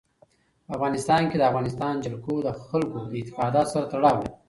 په افغانستان کې د افغانستان جلکو د خلکو د اعتقاداتو سره تړاو لري.